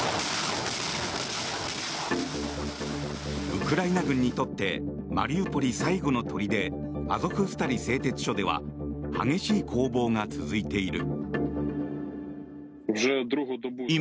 ウクライナ軍にとってマリウポリ最後の砦アゾフスタリ製鉄所では激しい攻防が続いている。